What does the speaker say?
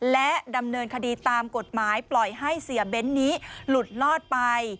และดำเนินคดีตามกฎหมายปล่อยให้เสียเบ้นนี้หลุดลอดไป